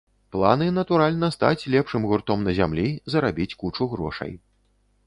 Планы, натуральна, стаць лепшым гуртом на зямлі, зарабіць кучу грошай.